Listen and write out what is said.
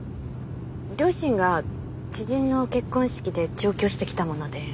両親が知人の結婚式で上京してきたもので迎えに。